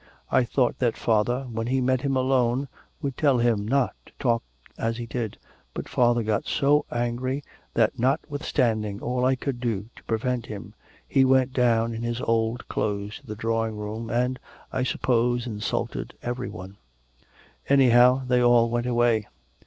I thought that father, when he met him alone, would tell him not to talk as he did, but father got so angry, that notwithstanding all I could do to prevent him he went down in his old clothes to the drawing room, and, I suppose, insulted every one. Anyhow they all went away.